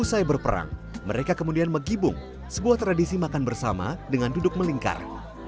usai berperang mereka kemudian megibung sebuah tradisi makan bersama dengan duduk melingkar